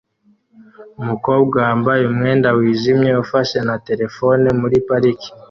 Umukobwa wambaye umwenda wijimye ufashe na terefone muri parike